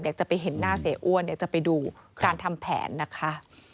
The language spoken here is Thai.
อยากจะไปเห็นหน้าเสียอ้วนเดี๋ยวจะไปดูการทำแผนนะคะ